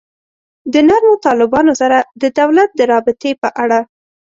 د نرمو طالبانو سره د دولت د رابطې په اړه.